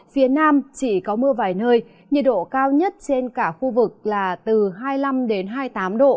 phía nam chỉ có mưa vài nơi nhiệt độ cao nhất trên cả khu vực là từ hai mươi năm đến hai mươi tám độ